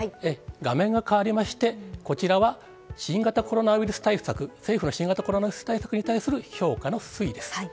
画面が変わりまして、こちらは新型コロナウイルス対策、政府の新型コロナ対策についての評価の推移です。